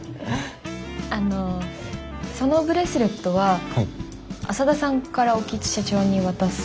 あのそのブレスレットは浅田さんから興津社長に渡されたんですか？